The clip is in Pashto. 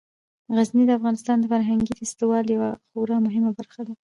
غزني د افغانستان د فرهنګي فستیوالونو یوه خورا مهمه برخه ده.